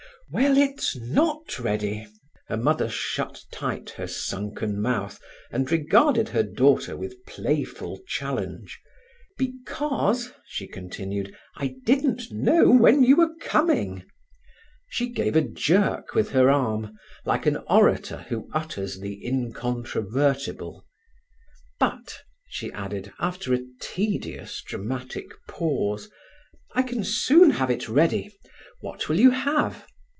"Well, it's not ready." The mother shut tight her sunken mouth, and regarded her daughter with playful challenge. "Because," she continued, "I didn't known when you were coming." She gave a jerk with her arm, like an orator who utters the incontrovertible. "But," she added, after a tedious dramatic pause, "I can soon have it ready. What will you have?"